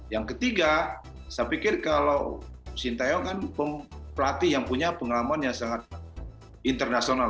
yang ketiga saya pikir kalau sintayong kan pelatih yang punya pengalaman yang sangat internasional